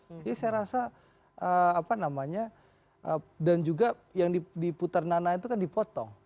jadi saya rasa apa namanya dan juga yang diputar nananya itu kan dipotong